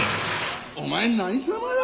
お前何様だ！？